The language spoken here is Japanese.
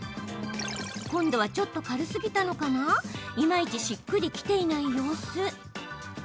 今度は、ちょっと軽すぎたのかないまいちしっくりきていない様子。